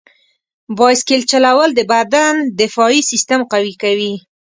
بایسکل چلول د بدن دفاعي سیستم قوي کوي.